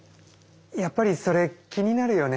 やっぱりそれ気になるよね。